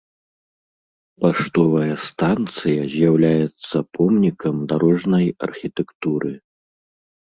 Паштовая станцыя з'яўляецца помнікам дарожнай архітэктуры.